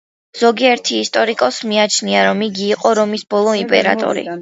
ზოგიერთ ისტორიკოსს მიაჩნია, რომ იგი იყო რომის ბოლო იმპერატორი.